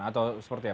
atau seperti apa